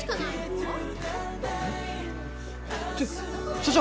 所長！